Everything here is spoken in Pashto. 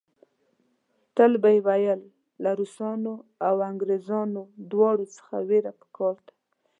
تل به یې ویل له روسانو او انګریزانو دواړو څخه وېره په کار ده.